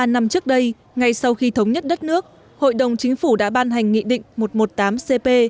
bốn mươi năm trước đây ngay sau khi thống nhất đất nước hội đồng chính phủ đã ban hành nghị định một trăm một mươi tám cp